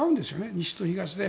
西と東で。